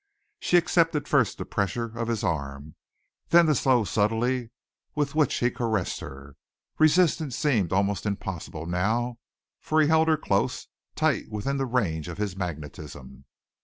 She accepted first the pressure of his arm, then the slow subtlety with which he caressed her. Resistance seemed almost impossible now for he held her close tight within the range of his magnetism.